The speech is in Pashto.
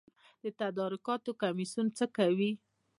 د تدارکاتو کمیسیون څه کوي؟